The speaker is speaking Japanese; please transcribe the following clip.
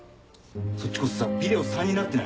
そっちこそさビデオ３になってない？